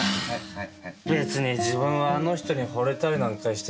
別に自分はあの人に惚れたりなんかしてないし。